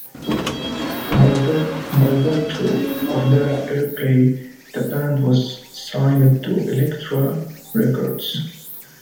By virtue of that airplay, the band was signed to Elektra Records.